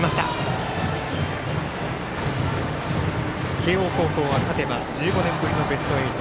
慶応高校は勝てば１５年ぶりのベスト８。